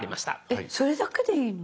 えっそれだけでいいの？